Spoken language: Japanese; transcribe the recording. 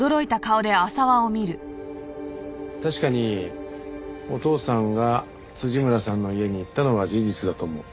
確かにお父さんが村さんの家に行ったのは事実だと思う。